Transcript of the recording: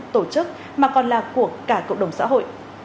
tổ chức mà còn là của cả cộng đồng xã hội